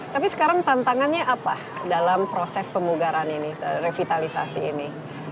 tapi sekarang tantangannya apa dalam proses pemugaran ini revitalisasi ini